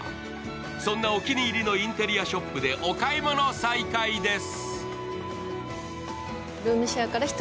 そんなお気に入りのインテリアショップでお買い物再開です。